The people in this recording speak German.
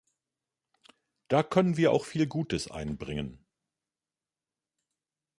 Da können wir auch viel Gutes einbringen.